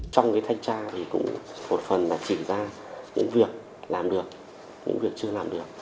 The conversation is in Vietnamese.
trong thanh tra cũng một phần chỉ ra những việc làm được những việc chưa làm được